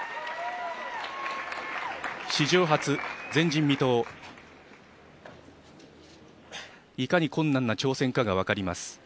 史上初、前人未踏いかに困難な挑戦かが分かります。